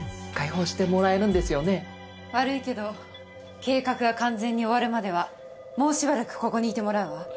悪いけど計画が完全に終わるまではもうしばらくここにいてもらうわ。